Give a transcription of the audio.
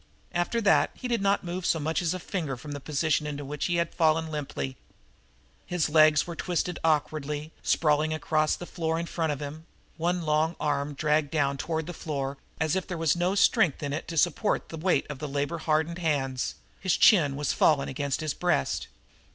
After that he did not move so much as a finger from the position into which he had fallen limply. His legs were twisted awkwardly, sprawling across the floor in front of him; one long arm dragged down toward the floor, as if there was no strength in it to support the weight of the labor hardened hands; his chin was fallen against his breast.